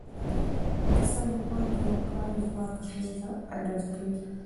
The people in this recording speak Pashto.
اقتصاد د پانګې او کار ځواک اغیزه اندازه کوي.